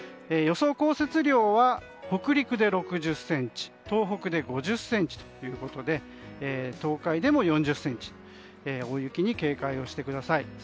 予想降雪量は北陸で６０ｃｍ東北で５０ｃｍということで東海でも４０ｃｍ大雪に警戒してください。